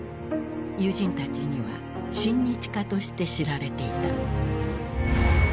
友人たちには親日家として知られていた。